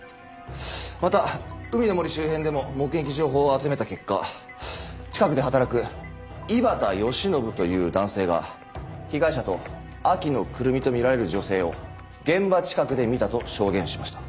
また海の森周辺でも目撃情報を集めた結果近くで働く井端由伸という男性が被害者と秋野胡桃と見られる女性を現場近くで見たと証言しました。